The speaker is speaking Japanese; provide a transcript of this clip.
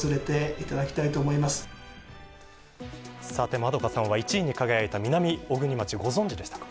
円香さんは１位に輝いた南小国町、ご存じでしたか。